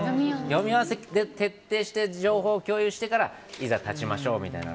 読み合わせで徹底して情報共有していざ立ちましょうみたいな。